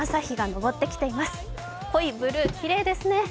濃いブルー、きれいですね。